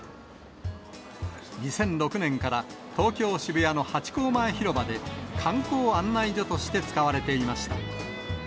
２００６年から東京・渋谷のハチ公前広場で、観光案内所として使われていました。